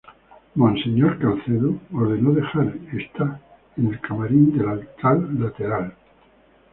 Monseñor Caicedo ordenó dejar esta en el camarín del altar lateral.